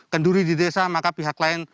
kenduri di desa maka pihak lain